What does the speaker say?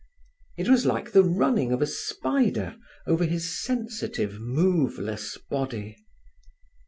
It was like the running of a spider over his sensitive, moveless body.